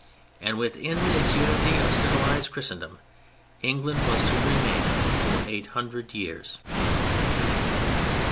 And within this unity of civilized Christendom England was to remain for eight hundred years.